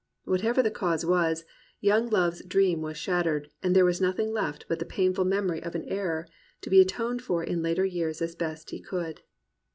What ever the cause was, love's young dream was shat tered, and there was nothing left but the p>ainful memory of an error, to be atoned for in later years as best he could.